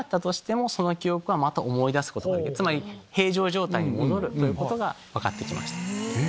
つまり平常状態に戻ることが分かってきました。